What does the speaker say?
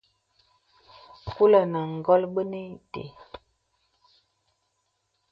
Kūlə̀ nə̀ kol bə̄nē itē.